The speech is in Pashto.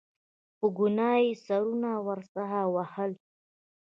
په ګناه یې سرونه ورڅخه وهل.